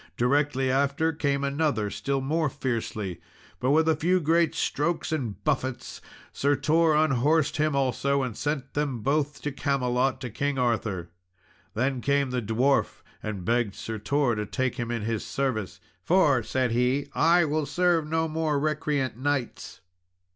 Directly after came another still more fiercely, but with a few great strokes and buffets Sir Tor unhorsed him also, and sent them both to Camelot to King Arthur. Then came the dwarf and begged Sir Tor to take him in his service, "for," said he, "I will serve no more recreant knights."